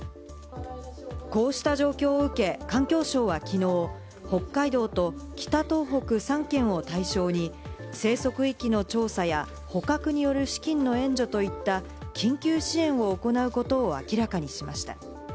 こうした状況を受け環境省はきのう、北海道と北東北３県を対象に、生息域の調査や、捕獲による資金の援助といった緊急支援を行うことを明らかにしました。